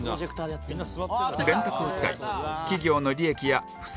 電卓を使い企業の利益や負債を計算